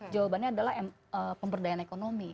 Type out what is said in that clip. jawabannya adalah pemberdayaan ekonomi